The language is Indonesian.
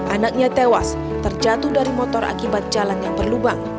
anaknya tewas terjatuh dari motor akibat jalan yang berlubang